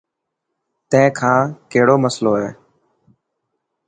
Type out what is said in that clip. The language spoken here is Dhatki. تين کان ڪهڙو مصلو هي.